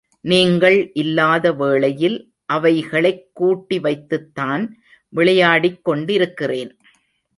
நீங்கள் இல்லாத வேளையில் அவைகளைக் கூட்டி வைத்துத்தான் விளையாடிக் கொண்டிருக்கிறேன்.